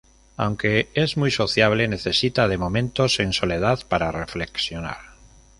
Aunque es muy sociable, necesita de momentos en soledad para reflexionar.